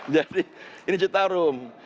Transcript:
jadi ini citarum